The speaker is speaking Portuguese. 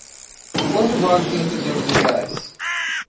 Quanto vale quinhentos euros em reais?